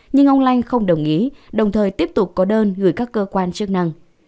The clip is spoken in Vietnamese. nhưng ông lanh không đồng ý đồng thời tiếp tục có đơn gửi các cơ quan chức năng